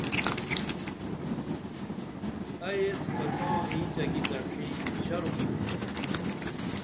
ائی ایس کساں انیچہ کی دڇھی شرم کونُم